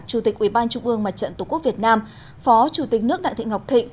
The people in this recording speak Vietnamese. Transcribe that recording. chủ tịch ủy ban trung ương mặt trận tổ quốc việt nam phó chủ tịch nước đại thị ngọc thịnh